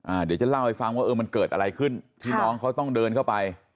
เดี๋ยวจะเล่าให้ฟังว่าเออมันเกิดอะไรขึ้นที่น้องเขาต้องเดินเข้าไป